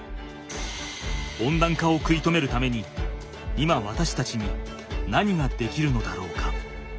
温暖化を食い止めるために今わたしたちに何ができるのだろうか？